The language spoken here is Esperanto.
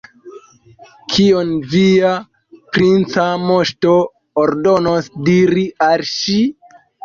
Kion via princa moŝto ordonos diri al ŝi?